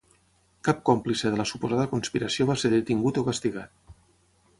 Cap còmplice de la suposada conspiració va ser detingut o castigat.